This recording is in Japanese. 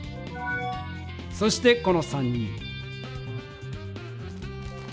そしてこの３人。